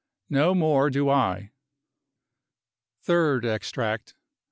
No more do I. Third Extract.